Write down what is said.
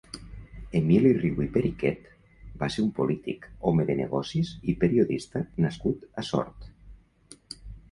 Emili Riu i Periquet va ser un polític, home de negocis i periodista nascut a Sort.